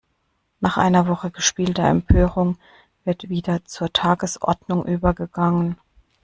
Nach einer Woche gespielter Empörung wird wieder zur Tagesordnung übergegangen.